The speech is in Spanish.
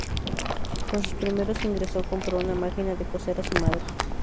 Con sus primeros ingresos compró una máquina de coser a su madre.